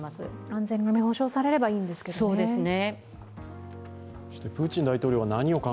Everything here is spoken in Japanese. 安全が保証されればいいんですけどね。